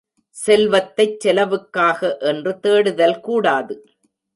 செல்வத்தைச் செலவுக்காக என்று தேடுதல் கூடாது.